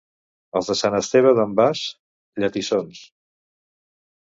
Els de Sant Esteve d'en Bas, lletissons.